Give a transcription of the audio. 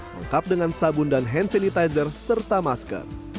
lengkap dengan sabun dan hand sanitizer serta masker